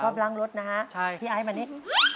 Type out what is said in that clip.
ชอบล้างรถนะฮะพี่ไอ้มานี่